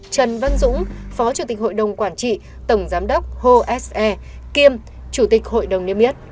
trần văn dũng phó chủ tịch hội đồng quản trị tổng giám đốc hồ s e kiêm chủ tịch hội đồng niêm yết